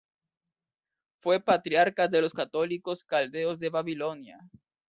Fue patriarca de los católicos caldeos de Babilonia.